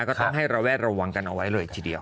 ก็ต้องให้ระแวดระวังกันเอาไว้เลยทีเดียว